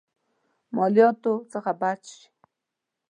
مالياتو څخه بچ شي.